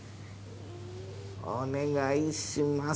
おねがいします。